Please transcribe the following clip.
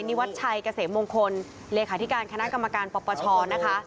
นิวัชชัยเกษมมงคลเลขาธิการคณะกรรมการปปชนะคะ